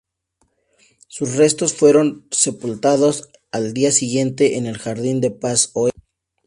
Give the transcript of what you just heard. Sus restos fueron sepultados al día siguiente en el Jardín de Paz Oeste.